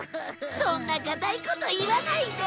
そんな固いこと言わないで！